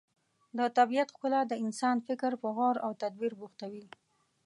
د طبیعت ښکلا د انسان فکر په غور او تدبر بوختوي.